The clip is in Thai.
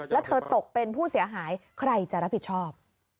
แล้วเธอตกเป็นผู้เสียหายใครจะรับผิดชอบ